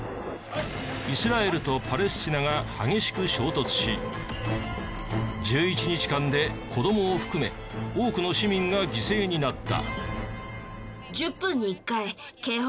イスラエルとパレスチナが激しく衝突し１１日間で子どもを含め多くの市民が犠牲になった。